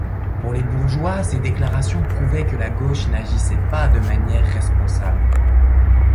Pour les bourgeois ces déclarations prouvaient que la gauche n'agissait pas de manière responsable.